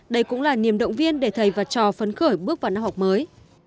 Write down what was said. đây cũng là niềm động viên để thầy và trò phấn khởi bước vào năm học mới